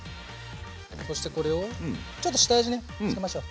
そしてこれをちょっと下味ね付けましょう。